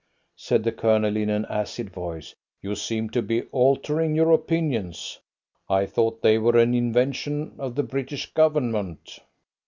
said the Colonel in an acid voice. "You seem to be altering your opinions. I thought they were an invention of the British Government."